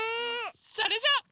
それじゃ。